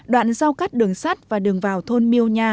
đoạn giao cắt đường sắt và đường vào thôn miêu nha